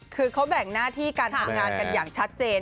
คือเขาแบ่งหน้าที่การทำงานกันอย่างชัดเจน